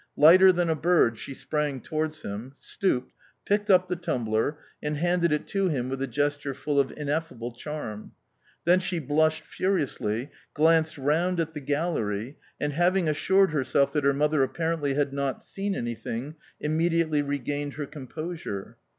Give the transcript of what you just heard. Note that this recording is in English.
Lighter than a bird she sprang towards him, stooped, picked up the tumbler, and handed it to him with a gesture full of ineffable charm. Then she blushed furiously, glanced round at the gallery, and, having assured herself that her mother apparently had not seen anything, immediately regained her composure.